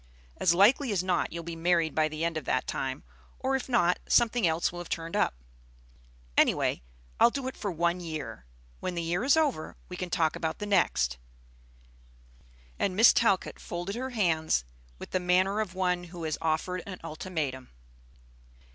As likely as not you'll be married by the end of that time, or if not, something else will have turned up! Any way, I'll do it for one year. When the year is over, we can talk about the next." And Miss Talcott folded her hands with the manner of one who has offered an ultimatum.